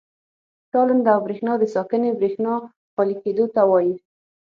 تالنده او برېښنا د ساکنې برېښنا خالي کېدو ته وایي.